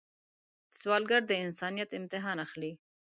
سوالګر د انسانیت امتحان اخلي